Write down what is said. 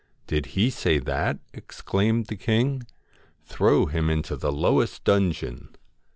'Did he say that?' exclained the king. * Throw him into the lowest dungeon.'